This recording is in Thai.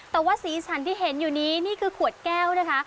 แต่ว่าสีสันที่เห็นอยู่นี้นี่คือขวดแก้วนะคะ